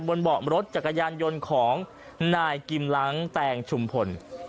เบาะรถจักรยานยนต์ของนายกิมหลังแตงชุมพล